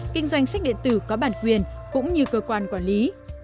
kinh doanh sách điện tử có bản quyền cũng như cơ quan quản lý